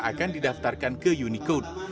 yang sudah didaftarkan ke unicode